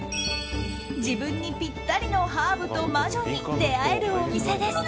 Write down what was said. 自分にぴったりのハーブと魔女に出会えるお店です。